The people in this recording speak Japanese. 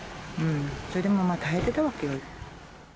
それでも耐えてたわけよ。